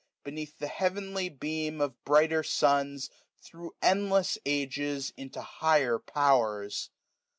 Beneath the heavenly beam of brighter suns. Thro' endless ages, into higher powers.